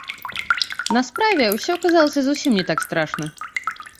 На справе ўсё аказалася зусім не так страшна.